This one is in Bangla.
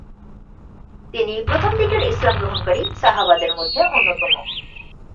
তিনি প্রথম দিকের ইসলাম গ্রহণকারী সাহাবাদের মধ্যে অন্যতম।